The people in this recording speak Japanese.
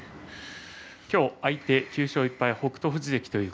今日、相手、９勝１敗北勝富士関でした。